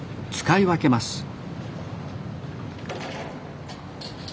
使い分けます。